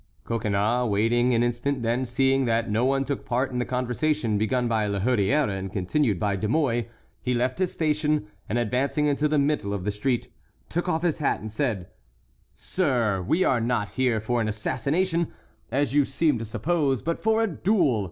Coconnas waited an instant; then, seeing that no one took part in the conversation begun by La Hurière and continued by De Mouy, he left his station, and advancing into the middle of the street, took off his hat and said: "Sir, we are not here for an assassination, as you seem to suppose, but for a duel.